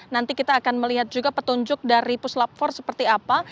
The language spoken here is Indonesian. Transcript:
nanti kita akan melihat juga petunjuk dari puslap empat seperti apa